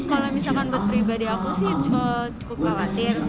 kalau misalkan berpribadi aku sih cukup khawatir